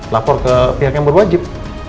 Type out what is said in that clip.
lapor ke pihak yang berwajib